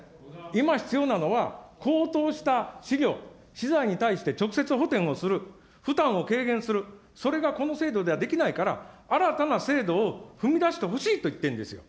今必要なのは、高騰した飼料、資材に対して直接補填をする、負担を軽減する、それがこの制度ではできないから、新たな制度を踏み出してほしいといってるんですよ。